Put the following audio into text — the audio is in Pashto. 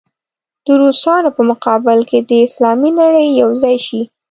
د روسانو په مقابل کې دې اسلامي نړۍ یو ځای شي.